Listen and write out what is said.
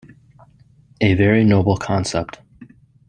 A very noble concept.